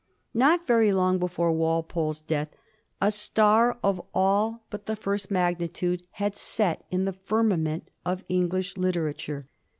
Not very long before Walpole's death a star of all but 1744. THE DEATH OF POPE. 197 the first magnitude had set in the firmament of English literature.